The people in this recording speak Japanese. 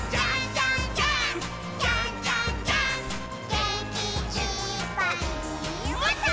「げんきいっぱいもっと」